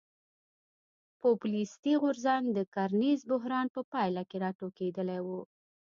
پوپولیستي غورځنګ د کرنیز بحران په پایله کې راټوکېدلی و.